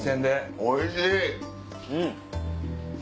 おいしい！